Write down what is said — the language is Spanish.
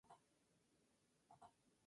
Colores: blanco, naranja y negro.